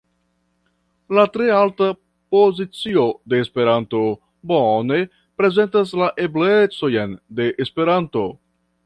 La tre alta pozicio de Esperanto bone prezentas la eblecojn de Esperanto.